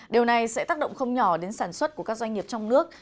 điều này sẽ tác động không nhỏ đến sản xuất của các doanh nghiệp trong nước